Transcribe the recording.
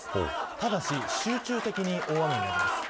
ただし集中的に大雨になります。